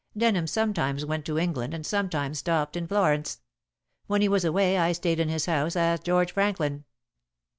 Denham sometimes went to England and sometimes stopped in Florence. When he was away I stayed in his house as George Franklin."